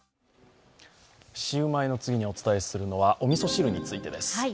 シウマイの次にお伝えするのはおみそ汁についてです。